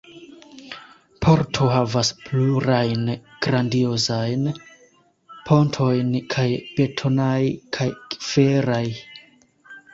Porto havas plurajn grandiozajn pontojn – kaj betonaj, kaj feraj.